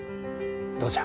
どうじゃ？